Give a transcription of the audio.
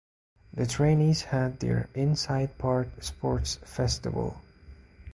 The trainees had their Inside Part Sports festival.